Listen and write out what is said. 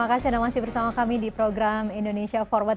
terima kasih anda masih bersama kami di program indonesia forward